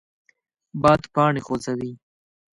باد پاڼې خوځوي